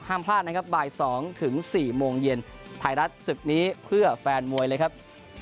ห้ามพลาดบาย๒๔โมงเย็นถ่ายรัฐ๑๐นี้เพื่อแฟนมวยเลยครับ